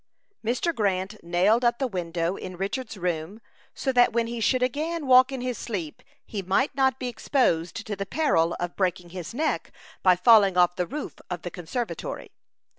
Mr. Grant nailed up the window in Richard's room, so that when he should again walk in his sleep, he might not be exposed to the peril of breaking his neck by falling off the roof of the conservatory.